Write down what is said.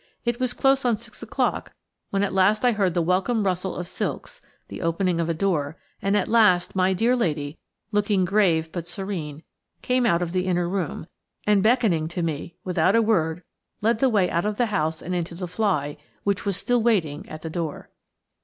It was close on six o'clock when at last I heard the welcome rustle of silks, the opening of a door, and at last my dear lady–looking grave but serene–came out of the inner room, and, beckoning to me, without a word led the way out of the house and into the fly, which was still waiting at the door.